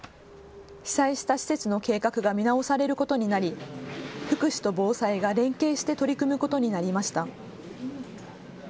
被災した施設の計画が見直されることになり福祉と防災が連携して取り組むことになりました。